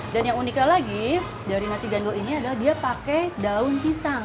dan yang uniknya lagi dari nasi gandul ini adalah dia pakai daun pisang